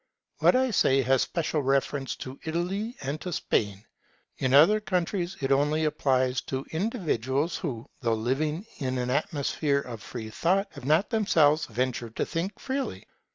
What I say has special reference to Italy and to Spain. In other countries it only applies to individuals who, though living in an atmosphere of free thought, have not themselves ventured to think freely.